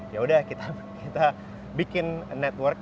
ya udah kita bikin network